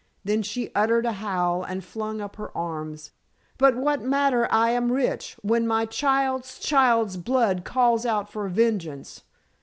then she uttered a howl and flung up her arms. "But what matter I am rich, when my child's child's blood calls out for vengeance.